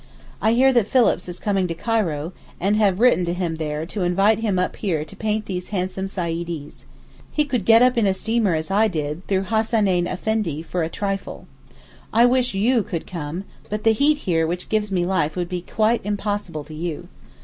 I hear that Phillips is coming to Cairo, and have written to him there to invite him up here to paint these handsome Saeedees. He could get up in a steamer as I did through Hassaneyn Effendi for a trifle. I wish you could come, but the heat here which gives me life would be quite impossible to you.